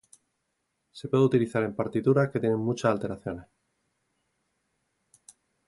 Se puede utilizar en partituras que tienen muchas alteraciones.